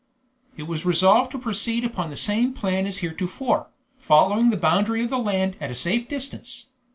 It was resolved to proceed upon the same plan as heretofore, following the boundary of the land at a safe distance.